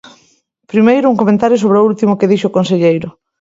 Primeiro un comentario sobre o último que dixo o conselleiro.